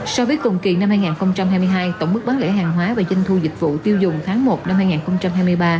so với cùng kỳ năm hai nghìn hai mươi hai tổng mức bán lẻ hàng hóa và doanh thu dịch vụ tiêu dùng tháng một năm hai nghìn hai mươi ba